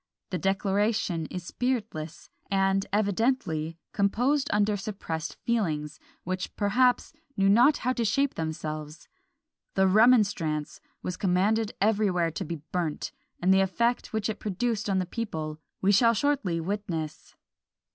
The declaration is spiritless, and evidently composed under suppressed feelings, which, perhaps, knew not how to shape themselves. The "Remonstrance" was commanded everywhere to be burnt; and the effect which it produced on the people we shall shortly witness.